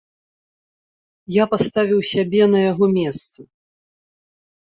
Я паставіў сябе на яго месца.